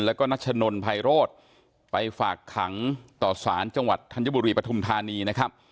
แล้วก็นัชนนภัยโรธไปฝากขังต่อสารจังหวัดธัญบุรีปฐุมธานีนะครับ